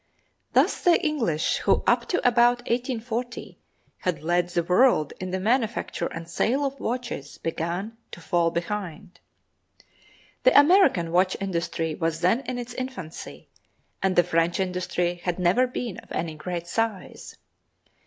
Thus the English, who up to about 1840, had led the world in the manufacture and sale of watches, began to fall behind. The American watch industry was then in its infancy, and the French industry had never been of any great size.